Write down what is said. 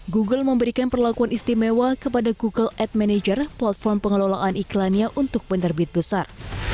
google memberikan perlakuan istimewa kepada google ad manager platform pengelolaan iklannya untuk penerbit besar